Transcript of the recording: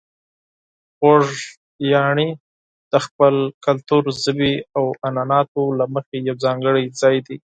خوږیاڼي د خپل کلتور، ژبې او عنعناتو له مخې یو ځانګړی ځای دی.